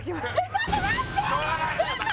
ちょっと待って嘘！